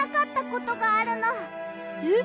えっ？